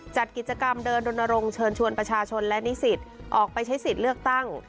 จัดกิจกรรมเดินดนรงค์เชิญชวนประชาชนและนิสิตออกไปใช้สิทธิ์เลือกตั้ง